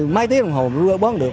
máy tiết đồng hồ bón được